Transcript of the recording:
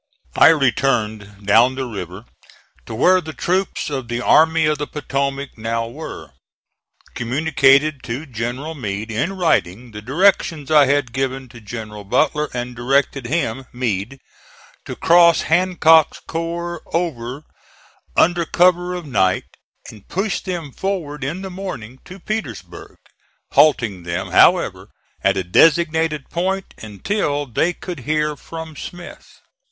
I returned down the river to where the troops of the Army of the Potomac now were, communicated to General Meade, in writing, the directions I had given to General Butler and directed him (Meade) to cross Hancock's corps over under cover of night, and push them forward in the morning to Petersburg; halting them, however, at a designated point until they could hear from Smith.